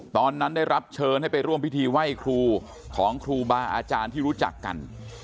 ตอนนั้นได้รับเชิญให้ไปร่วมพิธีไหว้ครูของครูบาอาจารย์ที่รู้จักกัน